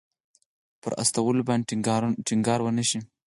پر استولو باندې ټینګار ونه شي.